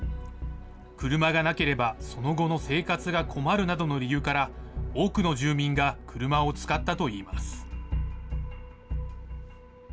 車がなければその後の生活が困るなどの理由から、多くの住民が車を使ったといいます。